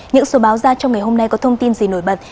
những số báo ra trong ngày hôm nay có thông tin gì nổi bật